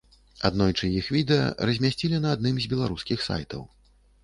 Аднойчы іх відэа размясцілі на адным з беларускіх сайтаў.